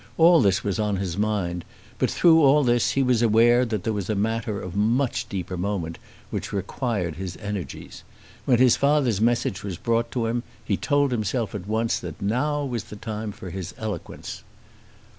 All this was on his mind; but through all this he was aware that there was a matter of much deeper moment which required his energies. When his father's message was brought to him he told himself at once that now was the time for his eloquence.